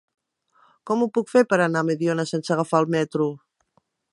Com ho puc fer per anar a Mediona sense agafar el metro?